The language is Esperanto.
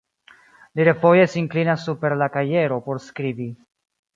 Li refoje sin klinas super la kajero por skribi.